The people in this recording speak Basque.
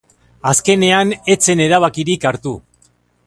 Azkenean ez zen erabakirik hartu.